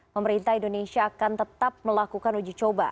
pemerintah indonesia akan tetap melakukan uji coba